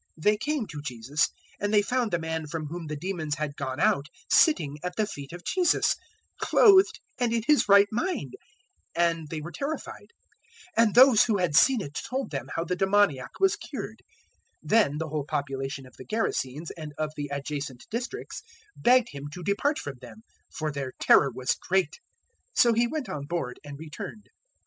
They came to Jesus, and they found the man from whom the demons had gone out sitting at the feet of Jesus, clothed and in his right mind; and they were terrified. 008:036 And those who had seen it told them how the demoniac was cured. 008:037 Then the whole population of the Gerasenes and of the adjacent districts begged Him to depart from them; for their terror was great. So He went on board and returned.